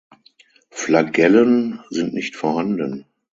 Flagellen sind nicht vorhanden.